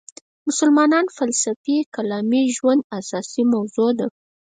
مسلمانانو فلسفي کلامي ژوند اساسي موضوع ده.